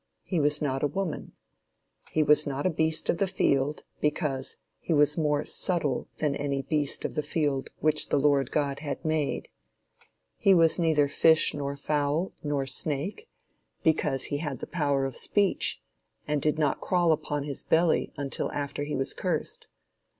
He was not a woman. He was not a beast of the field, because "he was more subtile than any beast of the field which the Lord God had made." He was neither fish nor fowl, nor snake, because he had the power of speech, and did not crawl upon his belly until after he was cursed.